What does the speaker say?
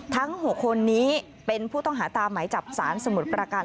ทั้ง๖คนนี้เป็นผู้ต้องหาตามหมายจับสารสมุทรประการ